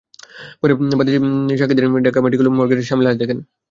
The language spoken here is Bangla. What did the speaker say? পরে বাদী সাক্ষীদের নিয়ে ঢাকা মেডিকেলের মর্গে গিয়ে স্বামীর লাশ দেখেন।